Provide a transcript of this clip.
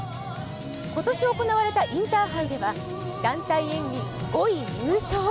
今年行われたインターハイでは団体演技５位入賞。